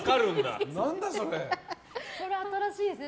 それ新しいですね。